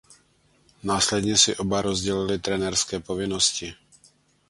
Následně si oba rozdělili trenérské povinnosti.